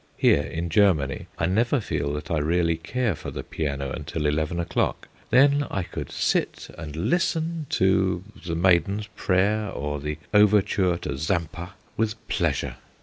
Here, in Germany, I never feel that I really care for the piano until eleven o'clock, then I could sit and listen to the "Maiden's Prayer," or the Overture to "Zampa," with pleasure.